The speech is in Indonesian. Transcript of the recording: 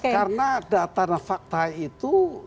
karena data dan fakta itu